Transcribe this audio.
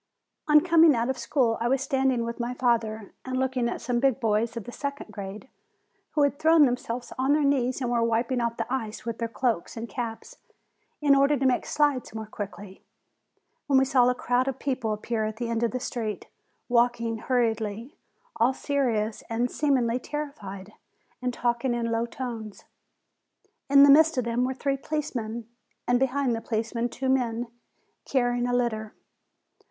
On coming out of school, I was standing with my father and looking at some big boys of the second grade, who had thrown themselves on their knees and were wiping off the ice with their cloaks and caps, in order to make slides more quickly, when we saw a crowd of people appear at the end of the street, walk ing hurriedly, all serious and seemingly terrified, and talking in low tones. In the midst of them were three policemen, and behind the policemen two men carrying a litter.